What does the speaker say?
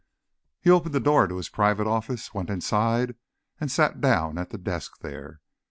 He opened the door of his private office, went inside and sat down at the desk there.